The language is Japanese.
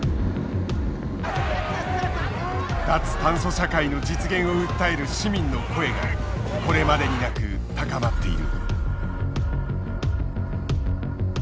脱炭素社会の実現を訴える市民の声がこれまでになく高まっている。